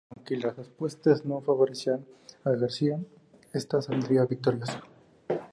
Aunque las apuestas no favorecían a García este saldría victorioso.